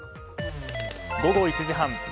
午後１時半。